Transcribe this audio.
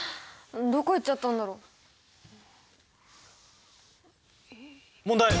どこ行っちゃったんだろう？問題！